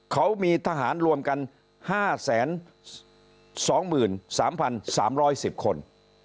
เขามีทหารรวมกัน๕๒๓๓๑๐คน